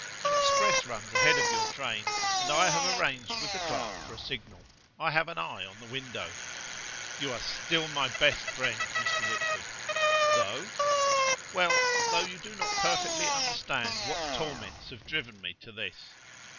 An express runs ahead of your train, and I have arranged with the clerk for a signal; I have an eye on the window." "You are still my best friend, Mr. Whitford." "Though?" "Well, though you do not perfectly understand what torments have driven me to this."